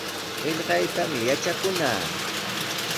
Qillqaytami yatrakunaa.